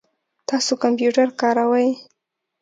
تاسو کمپیوټر کاروئ؟